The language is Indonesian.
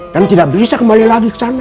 dan tidak bisa kembali lagi ke sana